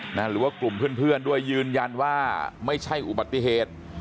หรือว่ากลุ่มเพื่อนด้วยยืนยันว่าไม่ใช่อุบัติเหตุ